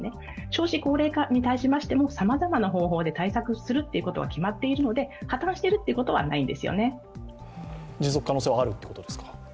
少子高齢化に対しましても、さまざまな方法で対策することは決まっているので破綻してるってことはないんですよね。持続可能性はあるということですか？